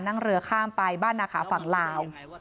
นั่งเรือข้ามไปบ้านนาขาฝั่งลาว